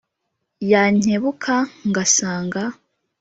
yankebuka ngasanga